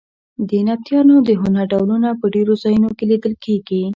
د نبطیانو د هنر ډولونه په ډېرو ځایونو کې لیدل کېږي.